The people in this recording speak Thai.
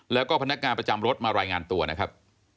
แล้วก็พนักงานประจำรถมารายงานตัวนะครับ